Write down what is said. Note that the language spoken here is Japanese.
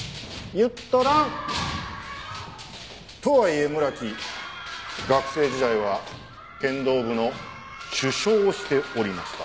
言っとらん！とはいえ村木学生時代は剣道部の主将をしておりました。